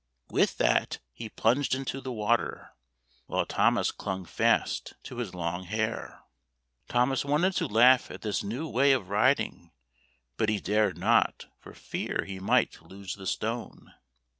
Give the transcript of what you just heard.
With that he plunged into the water, while Thomas clung fast to his long hair. Thomas wanted to laugh at this new way of riding, but he dared not, for fear he might lose the stone.